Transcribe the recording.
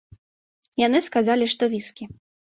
Яны сказалі, што віскі.